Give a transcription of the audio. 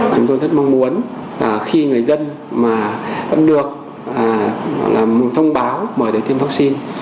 chúng tôi rất mong muốn khi người dân mà được thông báo bởi tiêm vắc xin